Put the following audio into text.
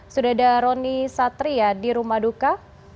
sudah ada roni satria di rumah duka